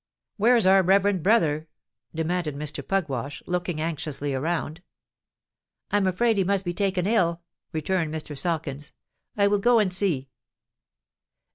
"Where's our reverend brother?" demanded Mr. Pugwash, looking anxiously around. "I am afraid he must be taken ill," returned Mr. Sawkins. "I will go and see."